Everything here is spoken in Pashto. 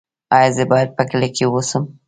ایا زه باید په کلي کې اوسم؟